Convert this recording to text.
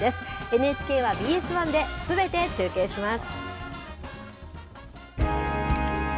ＮＨＫはＢＳ１ですべて中継します。